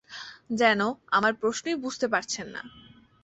যেন আমার প্রশ্নই বুঝতে পারছেন না।